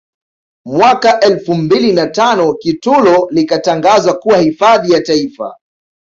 Mwaka elfu mbili na tano Kitulo likatangazwa kuwa hifadhi ya Taifa